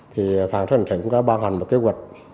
thì phản xuất hình sự cũng có bao hành một kế hoạch